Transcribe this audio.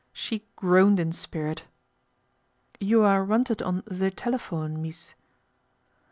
She groaned in spirit. ' You are wanted on the telephone, mees."